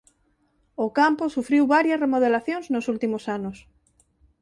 O campo sufriu varias remodelacións nos últimos anos.